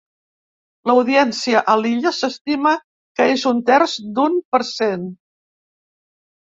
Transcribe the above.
L'audiència a l'illa s'estima que és un terç d'un per cent.